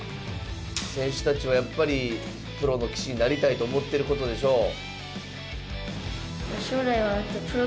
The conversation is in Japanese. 選手たちはやっぱりプロの棋士になりたいと思ってることでしょう。